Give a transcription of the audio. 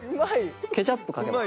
ケチャップかけます。